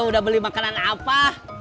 udah beli makanan apa